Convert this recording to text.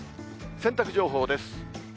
洗濯情報です。